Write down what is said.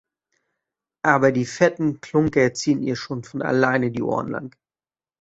Aber die fetten Klunker ziehen ihr schon von alleine die Ohren lang.